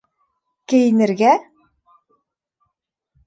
Кейенергә?